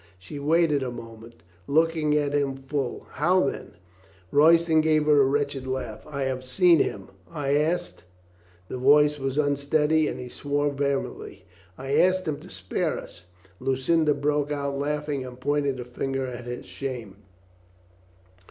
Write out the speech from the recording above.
She waited a moment, looking at him full. "How then ?" Royston gave a wretched laugh. "I have seen him. I asked " the voice was unsteady and he swore vehemently — "I asked him to spare us." Lu cinda broke out laughing and pointed the finger at his shame.